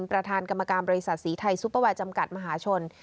ประธานกรรมการบริษัทสีไทยซุปเปอร์ไลจำกัดมหาชน